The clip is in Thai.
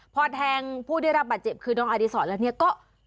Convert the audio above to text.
พอแทงผู้ได้รับบาดเจ็บคือน้องอดีศรแล้วเนี่ยก็